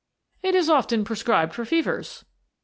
"It is often prescribed for fevers."